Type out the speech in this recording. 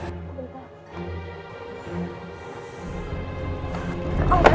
astaghfirullahaladzim ya allah